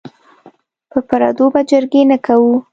په پردو به جرګې نه کوو.